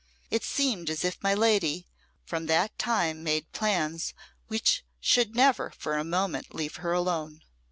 It seemed as if my lady from that time made plans which should never for a moment leave her alone.